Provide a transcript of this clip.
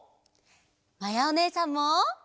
まやおねえさんも！